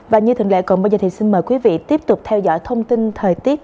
và như thường lệ còn bây giờ thì xin mời quý vị tiếp tục theo dõi thông tin thời tiết